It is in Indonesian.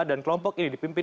dan kelompok ini dipimpin